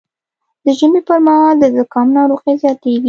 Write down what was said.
د ژمي پر مهال د زکام ناروغي زیاتېږي